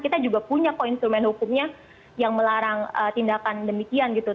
kita juga punya instrumen hukumnya yang melarang tindakan demikian